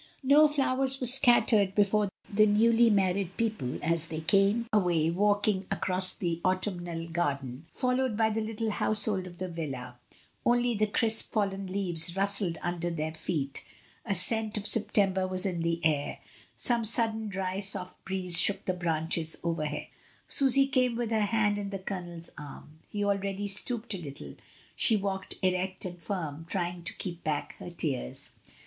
No flowers were scattered before the newly married people as they came away walking across the autumnal garden, followed by the little house hold of the villa; only the crisp fallen leaves rustled under their feet, a scent of September was in the air, some sudden dry soft breeze shook the branches overhead. Susy came with her hand in the Colonel's arm. He already stooped a little, she walked erect and firm, trying to keep back her tears.